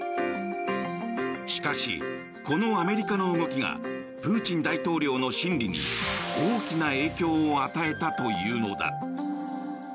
しかし、このアメリカの動きがプーチン大統領の心理に大きな影響を与えたというのだ。